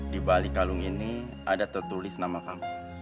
di balik kalung ini ada tertulis nama kamu